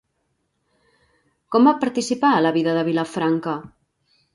Com va participar a la vida de Vilafranca?